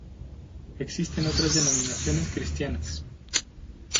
Existen otras denominaciones cristianas.